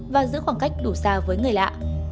và giữ khoảng cách đủ xa với người lạ